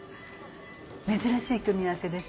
珍しい組み合わせですね。